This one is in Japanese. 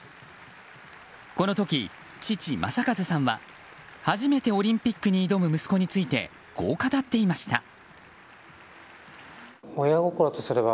この時、父・正和さんは初めてオリンピックに挑む息子についてこう語っていました。